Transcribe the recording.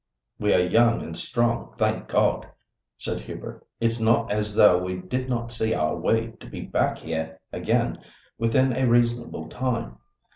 "We are young and strong, thank God," said Hubert; "it's not as though we did not see our way to be back here again within a reasonable time.